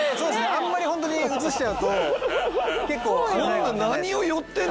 あんまりホントに映しちゃうと結構危ないかも。